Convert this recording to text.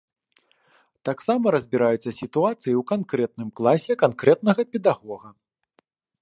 Таксама разбіраюцца сітуацыі ў канкрэтным класе канкрэтнага педагога.